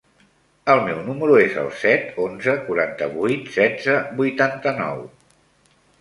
El meu número es el set, onze, quaranta-vuit, setze, vuitanta-nou.